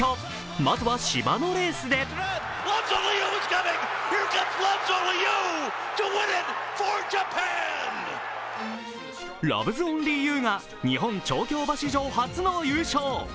まずは芝のレースでラヴズオンリーユーが日本調教馬史上初の優勝。